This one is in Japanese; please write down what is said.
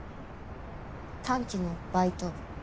短期のバイト。